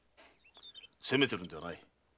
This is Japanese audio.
責めてるんじゃない。